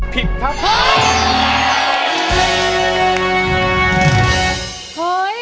ผิดครับ